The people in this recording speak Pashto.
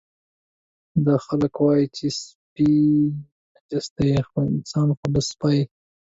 دا خلک وایي چې سپي نجس دي، خو انسان خو له سپي.